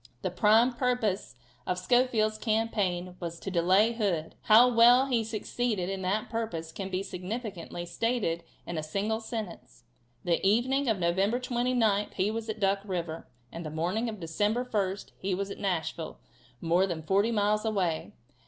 The prime purpose of Schofield's campaign was to delay Hood. How well he succeeded in that purpose can be significantly stated in a single sentence: The evening of November 29th he was at Duck river, and the morning of December 1st he was at Nashville, more than forty miles away.